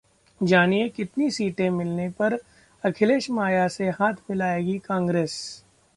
जानिए, कितनी सीटें मिलने पर अखिलेश-माया से हाथ मिलाएगी कांग्रेस